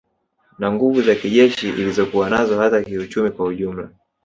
Na nguvu za kijeshi ilizokuwa nazo hata kiuchumi kwa ujumla